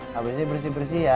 habis ini bersih bersih ya